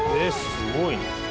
すごい。